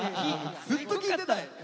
ずっと聞いてたい。